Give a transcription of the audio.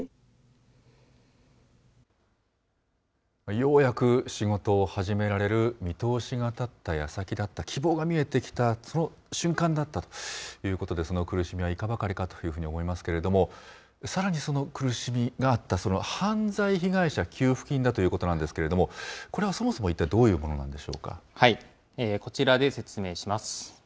ようやく仕事を始められる見通しが立ったやさきだった、希望が見えてきたその瞬間だったということで、その苦しみはいかばかりかと思いますけれども、さらにその苦しみがあった、その犯罪被害者給付金だということなんですけれども、これはそもそも、こちらで説明します。